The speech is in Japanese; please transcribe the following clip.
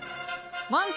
満点！